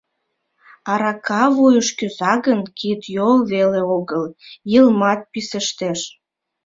Арака вуйыш кӱза гын, кид-йол веле огыл — йылмат писештеш.